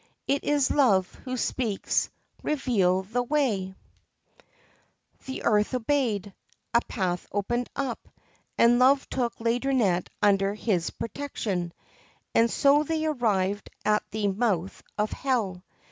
It is Love who speaks : reveal the way !' The earth obeyed : a path opened up, and Love took Laideronnette under his protection ; and so they arrived at the mouth of hell.